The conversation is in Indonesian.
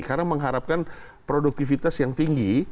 karena mengharapkan produktivitas yang tinggi